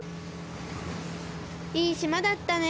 いいしまだったね。